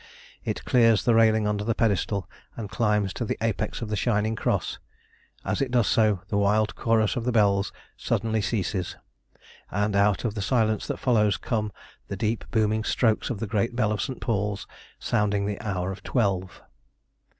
It clears the railing under the pedestal, and climbs to the apex of the shining cross. As it does so the wild chorus of the bells suddenly ceases, and out of the silence that follows come the deep booming strokes of the great bell of St. Paul's sounding the hour of twelve.